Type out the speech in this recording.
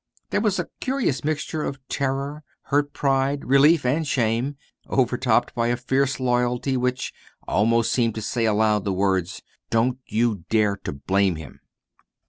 There was a curious mixture of terror, hurt pride, relief, and shame, overtopped by a fierce loyalty which almost seemed to say aloud the words: "Don't you dare to blame him!"